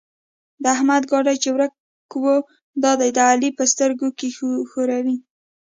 د احمد ګاډی چې ورک وو؛ دا دی د علي په سترګو کې ښوري.